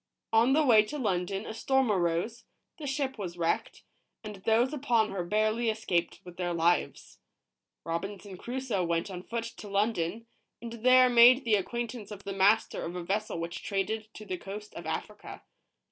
On the way to London a storm arose, the ship was wrecked, and those upon her barely escaped with their lives. Robinson Crusoe went on foot to London, and there made the acquaint ance of the master of a vessel which traded to the coast of Africa.